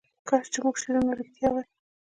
کاش چې زموږ شعرونه رښتیا وای.